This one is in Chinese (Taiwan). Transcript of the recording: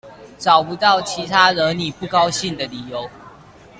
找不到其他惹你不高興的理由